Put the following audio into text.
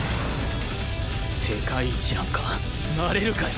世界一なんかなれるかよ。